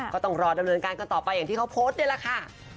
ก็ต้องรอดำเนินการกันต่อไปอย่างที่เขาโพสต์นี่แหละค่ะ